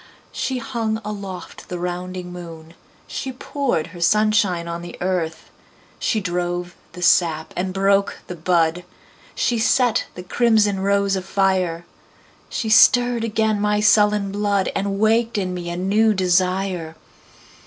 She hung aloft the rounding moon, She poured her sunshine on the earth, She drove the sap and broke the bud, She set the crimson rose afire. She stirred again my sullen blood, And waked in me a new desire.